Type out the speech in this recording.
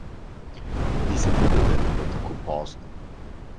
Nisem vedel, da je bilo tako pozno.